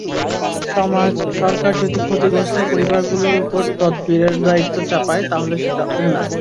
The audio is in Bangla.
সমাজ, সরকার যদি ক্ষতিগ্রস্ত পরিবারগুলোর ওপর তদবিরের দায়িত্ব চাপায়, তাহলে সেটা অন্যায়।